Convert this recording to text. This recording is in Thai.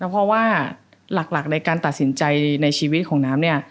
เพราะว่าหลักในการตัดสินใจในชีวิตของน้ำเนี่ย